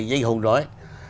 như anh hùng nói